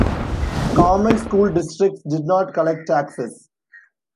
Common school districts did not collect taxes.